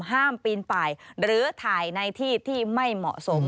ห้ามปีนป่ายหรือถ่ายในที่ที่ไม่เหมาะสม